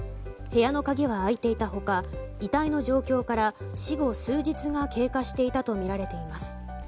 部屋の鍵は開いていた他遺体の状況から死後数日が経過していたとみられています。